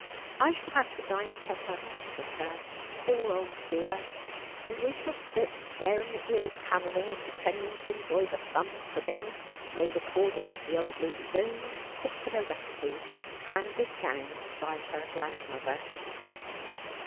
I shall have to dine tete d tete with her, poor old dear ; and we shall sit staring at the oak panelling, and pretending to enjoy the plum pudding made according to the old lady's owq particular recipe handed down by her grand mother.